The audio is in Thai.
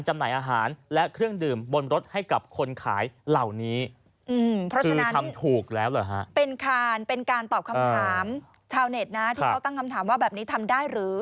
ชาวเน็ตนะที่เขาตั้งคำถามว่าแบบนี้ทำได้หรือ